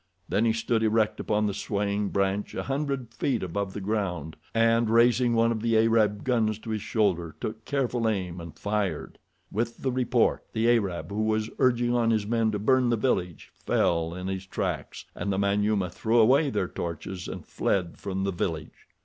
Then he stood erect upon the swaying branch a hundred feet above the ground, and, raising one of the Arab guns to his shoulder, took careful aim and fired. With the report the Arab who was urging on his men to burn the village fell in his tracks, and the Manyuema threw away their torches and fled from the village.